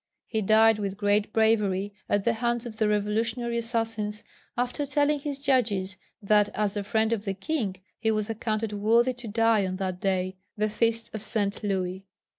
He died with great bravery at the hands of the revolutionary assassins, after telling his judges that as a friend of the King he was accounted worthy to die on that day, the Feast of Saint Louis.